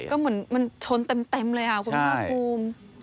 ก็เหมือนมันชนเต็มเลยคุณผู้หญิงคุม